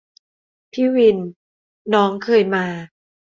พี่วิน : น้องเคยมา